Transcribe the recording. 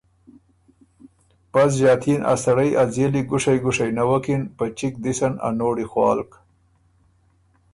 بس ݫاتي ن ا سړئ ا ځېلی ګُوشئ ګُوشئ نوَکِن، په چِګ دِسن ا نوړی خوالک